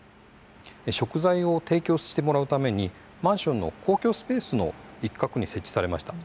食材を提供してもらうためにマンションの公共スペースの一角に設置されました。